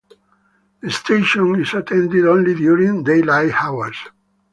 The station is attended only during daylight hours.